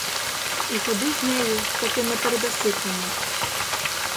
І ходи з нею, поки не передаси кому.